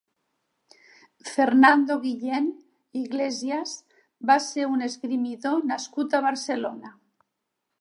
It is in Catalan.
Fernando Guillén Iglesias va ser un esgrimidor nascut a Barcelona.